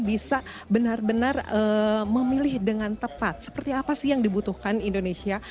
bisa benar benar memilih dengan tepat seperti apa sih yang dibutuhkan indonesia